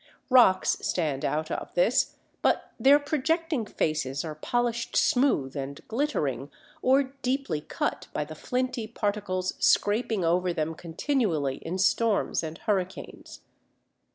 Rocks stand out of this, but their projecting faces are polished smooth and glittering or deeply cut by the flinty particles scraping over them continually in storms and hurricanes.